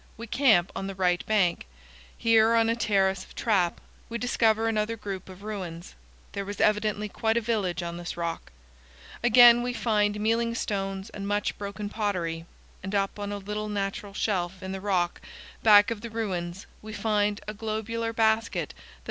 We camp on the right bank. Here, on a terrace of trap, we discover another group of ruins. There was evidently quite a village on this rock. Again we find mealing stones and much broken pottery, and up on a little natural shelf in the rock back of the ruins we find a globular basket that would hold 265 powell canyons 167.